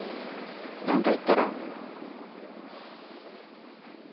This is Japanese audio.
何か言ったら？